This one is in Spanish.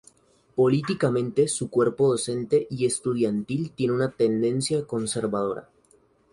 Políticamente su cuerpo docente y estudiantil tiene una tendencia conservadora.